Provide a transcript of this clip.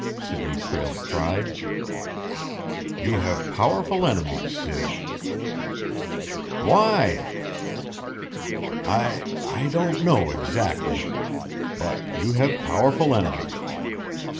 Sidney Prale cried. "You have powerful enemies, Sid." "Why?" "I I don't know, exactly. But you have powerful enemies.